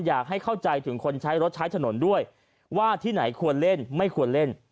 อยากให้เข้าใจถึงคนใช้รถใช้ถนนด้วยว่าที่ไหนควรเล่นไม่ควรเล่น